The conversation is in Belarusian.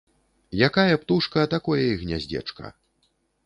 Якая птушка, такое і гняздзечка